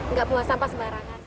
nggak buang sampah sembarangan